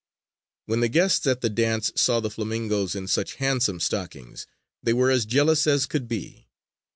When the guests at the dance saw the flamingoes in such handsome stockings, they were as jealous as could be.